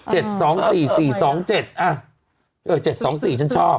เจ็ดสองสี่สี่สองเจ็ดอ่ะเออเจ็ดสองสี่ฉันชอบ